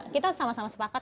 kita sama sama sepakat